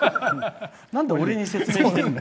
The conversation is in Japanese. なんで俺に説明してるの？